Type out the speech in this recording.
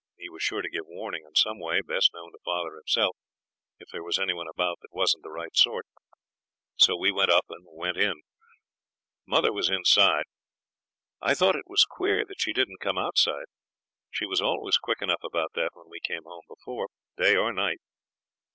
He was sure to give warning in some way, best known to father himself, if there was any one about that wasn't the right sort. So we went up and went in. Mother was inside. I thought it was queer that she didn't come outside. She was always quick enough about that when we came home before, day or night.